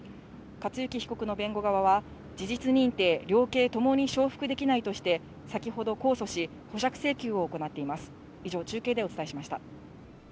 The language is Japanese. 克行被告の弁護側は、事実認定、量刑ともに承服できないとして、先ほど控訴し、保釈請求を行っています。